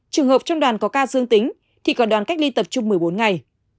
trường hợp trong đoàn có ca dương tính thì có đoàn cách ly tập trung một mươi bốn ngày